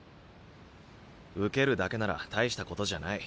受けるだけなら大したことじゃない。